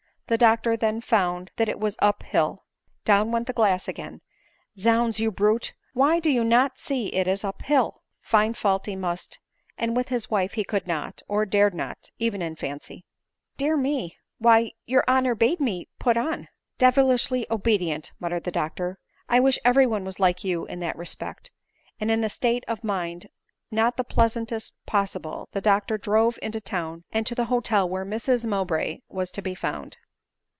The doctor then found that it was up hill — down went the glass again ;" zounds, you brute, why, do you not see it is up hill ?" For find fault he must ; and with his wife he could not, or dared not, even in fancy. " Dear me ! Why, your honor bade me put on." " Devilishly obedient," muttered the doctor ;" I wish every one was like you in that respect." And in a state of mind not the pleasantest possible the doctor drove into town, and to the hotel where Mrs Mowbray was to be found.